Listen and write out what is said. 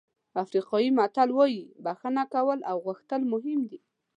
افریقایي متل وایي بښنه کول او غوښتل مهم دي.